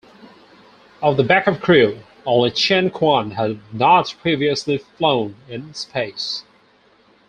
Of the back-up crew, only Chen Quan had not previously flown in space.